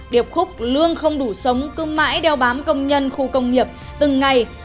điệp khúc lương không đủ sống cứ mãi đeo bám công nhân khu công nghiệp từng ngày